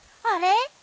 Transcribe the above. あれ？